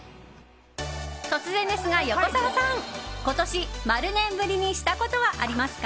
突然ですが、横澤さん今年、○年ぶりにしたことはありますか？